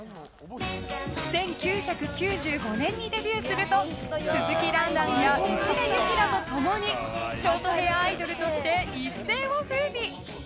１９９５年にデビューすると鈴木蘭々や内田有紀らと共にショートヘアアイドルとして一世を風靡。